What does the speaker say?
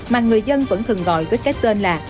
mà người dân vẫn thường gọi với cái tên là